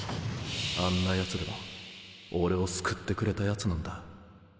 あんな奴でも俺を救ってくれた奴なんだ